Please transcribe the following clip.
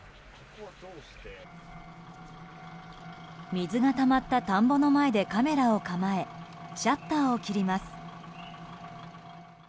水がたまった田んぼの前でカメラを構えシャッターを切ります。